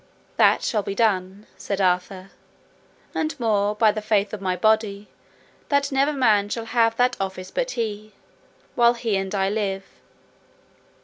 That shall be done, said Arthur, and more, by the faith of my body, that never man shall have that office but he, while he and I live.